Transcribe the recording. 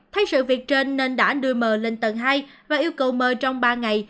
thấy sự việc trên nên đã đưa m lên tầng hai và yêu cầu mờ trong ba ngày